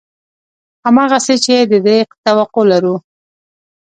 همغسې چې د دې توقع لرو